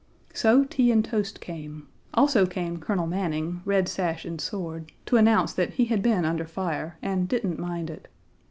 So tea and toast came; also came Colonel Manning, red sash and sword, to announce that he had been under fire, and didn't mind it.